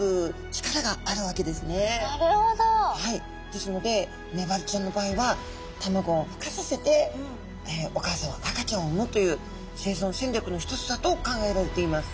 ですのでメバルちゃんの場合は卵をふ化させてお母さんは赤ちゃんをうむという生存戦略の一つだと考えられています。